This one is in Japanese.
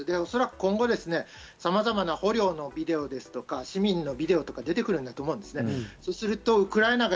今後、さまざまな捕虜のビデオですとか、市民のビデオが出てくると思うんです。